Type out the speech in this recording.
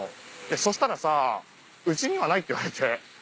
そしたらさ「うちにはない」って言われて。